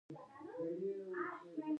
د موم د شونډو لپاره وکاروئ